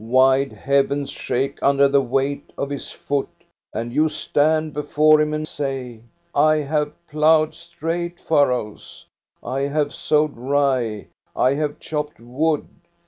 Wide heavens shake under the weight of his foot. And you stand before him and say :' I have ploughed straight furrows, I have sowed rye, I have chopped wood.'